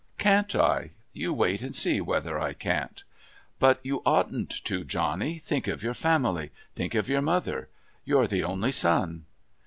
"Can't I? You wait and see whether I can't." "But you oughtn't to, Johnny. Think of your family. Think of your mother. You're the only son."